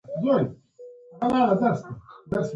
وروسته ساسانیانو په دې خاوره برید وکړ